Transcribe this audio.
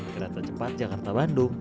kereta cepat jakarta bandung